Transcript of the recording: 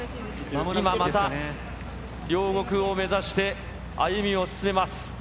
今また、両国を目指して、歩みを進めます。